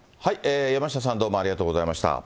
山下さん、どうもありがとうございました。